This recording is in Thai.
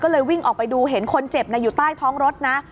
ก็เลยวิ่งออกไปดูเห็นคนเจ็บอยู่ใต้ท้องรถนะ